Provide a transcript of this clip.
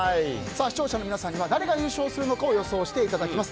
視聴者の皆さんには誰が優勝するのか予想していただきます。